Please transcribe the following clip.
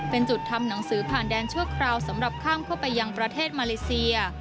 เป็นจุดทำหนังสือผ่านแดนชั่วคราวสำหรับข้ามเข้าไปยังประเทศมาเลเซีย